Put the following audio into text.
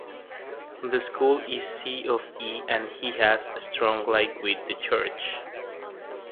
The school is C of E and has a strong link with the church.